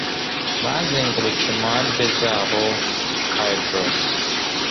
Bazengurutse impande zabo hydras